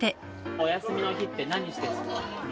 お休みの日って何してますか？